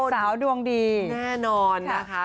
สาวดวงดีแน่นอนนะคะ